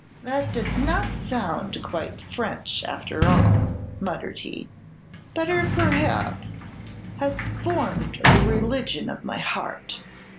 ("That does not sound quite French, after all," muttered he; "better perhaps: 'has formed the religion of my heart.'")